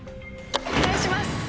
お願いします。